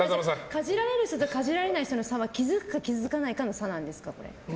かじられる人とかじられない人の差は気づくか気づかないかなんですかね。